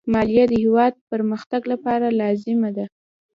مالیه د هېواد پرمختګ لپاره لازمي ده.